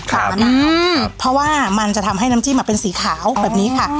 มะนาวเพราะว่ามันจะทำให้น้ำจิ้มเป็นสีขาวแบบนี้ค่ะ